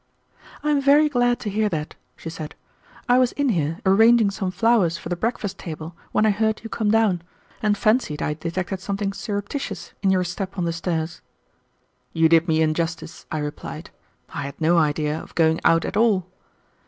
"I am very glad to hear that," she said. "I was in here arranging some flowers for the breakfast table when I heard you come down, and fancied I detected something surreptitious in your step on the stairs." "You did me injustice," I replied. "I had no idea of going out at all."